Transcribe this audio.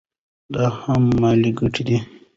دا هم مالي ګټه ده.